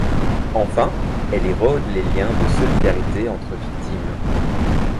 Enfin, elle érode les liens de solidarité entre victimes.